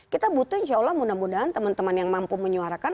kita butuh insya allah mudah mudahan teman teman yang mampu menyuarakan